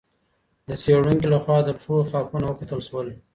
د څېړونکي لخوا د پښو خاپونه وکتل سول.